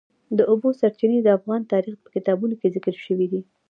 د اوبو سرچینې د افغان تاریخ په کتابونو کې ذکر شوی دي.